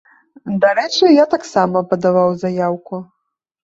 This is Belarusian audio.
Дарэчы, я таксама падаваў заяўку.